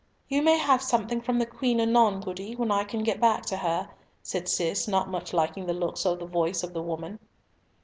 "Yon may have something from the Queen anon, Goody, when I can get back to her," said Cis, not much liking the looks or the voice of the woman.